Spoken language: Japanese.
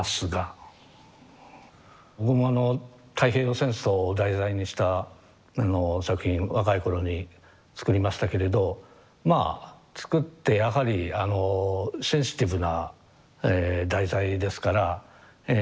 僕もあの太平洋戦争を題材にした作品若い頃に作りましたけれどまあ作ってやはりあのセンシティブなえ題材ですからえ